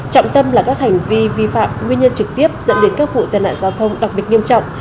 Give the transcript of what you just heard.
trọng tâm là các hành vi vi phạm nguyên nhân trực tiếp dẫn đến các vụ tai nạn giao thông đặc biệt nghiêm trọng